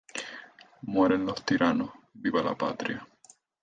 Mueran los tiranos ¡Viva la Patria!